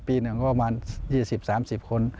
ปีหนึ่งก็ประมาณ๒๐๓๐คน